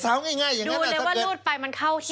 สาวง่ายดูเลยว่ารูดไปมันเข้าที่ไหน